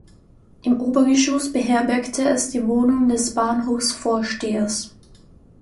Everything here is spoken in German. Im Obergeschoss beherbergte es die Wohnung des Bahnhofsvorstehers.